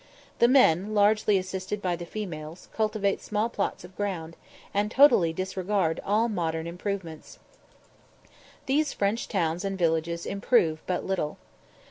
The men, largely assisted by the females, cultivate small plots of ground, and totally disregard all modern improvements. These French towns and villages improve but little.